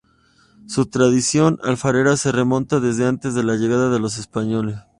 Su tradición alfarera se remonta desde antes de la llegada de los españoles.